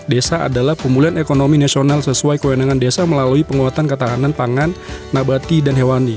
desa adalah pemulihan ekonomi nasional sesuai kewenangan desa melalui penguatan ketahanan pangan nabati dan hewani